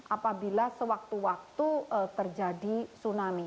apabila sewaktu waktu terjadi tsunami